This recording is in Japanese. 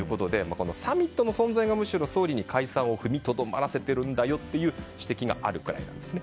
サミットの存在がむしろ総理に解散を踏みとどまらせてるんだという指摘があるくらいなんです。